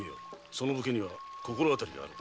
その武家には心当たりがある。